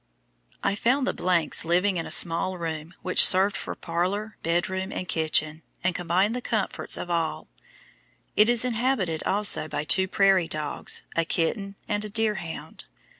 I found the s living in a small room which served for parlor, bedroom, and kitchen, and combined the comforts of all. It is inhabited also by two prairie dogs, a kitten, and a deerhound.